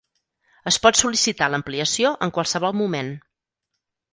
Es pot sol·licitar l'ampliació en qualsevol moment.